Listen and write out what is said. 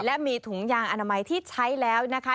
และมีถุงยางอนามัยที่ใช้แล้วนะคะ